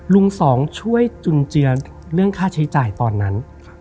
สองช่วยจุนเจือเรื่องค่าใช้จ่ายตอนนั้น